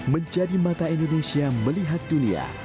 menjadi mata indonesia melihat dunia